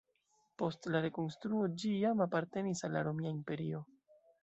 Post la rekonstruo ĝi jam apartenis al la Romia Imperio.